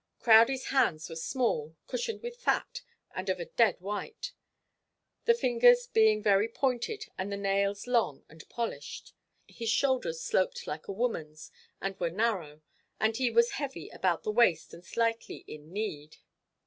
Crowdie's hands were small, cushioned with fat, and of a dead white the fingers being very pointed and the nails long and polished. His shoulders sloped like a woman's, and were narrow, and he was heavy about the waist and slightly in kneed.